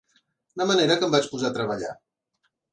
De manera que em vaig posar a treballar.